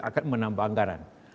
akan menambah anggaran